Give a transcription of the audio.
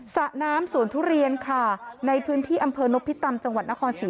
สระน้ำสวนทุเรียนค่ะในพื้นที่อำเภอนพิตำจังหวัดนครศรี